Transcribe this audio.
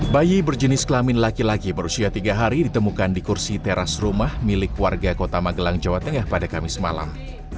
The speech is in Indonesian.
bayi berjenis kelamin laki laki berusia tiga hari ditemukan di kursi teras rumah milik warga kota magelang jawa tengah pada kamis malam